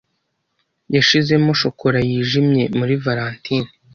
Yashizemo shokora yijimye muri valentine.